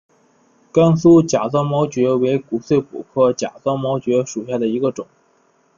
甘肃假钻毛蕨为骨碎补科假钻毛蕨属下的一个种。